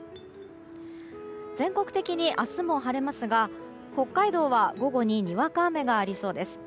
全国的に明日も晴れますが北海道は午後ににわか雨がありそうです。